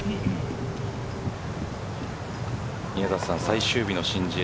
宮里さん、最終日の申ジエ